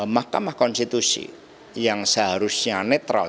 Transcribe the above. mahkamah konstitusi yang seharusnya netral